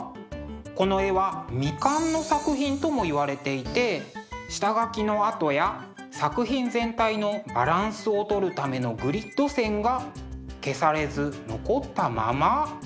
この絵は未完の作品ともいわれていて下書きの跡や作品全体のバランスを取るためのグリッド線が消されず残ったまま。